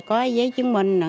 có giấy chứng minh